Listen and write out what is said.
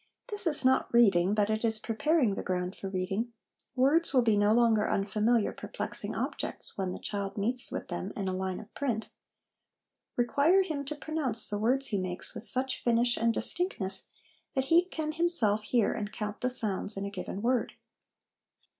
This is not reading, but it is preparing the ground for reading ; words will be no longer unfamiliar, perplexing objects, when the child meets with them in a line of print. Require him to pronounce the words he makes with such finish and distinctness that he can himself hear and count the sounds in a given word.